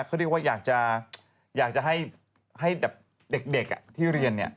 เขาเรียกว่าอยากจะให้เด็กที่เรียนเนี่ย